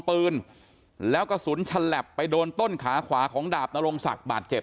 ปืนแล้วกระสุนฉลับไปโดนต้นขาขวาของดาบนรงศักดิ์บาดเจ็บ